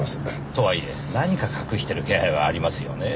とはいえ何か隠してる気配はありますよねぇ。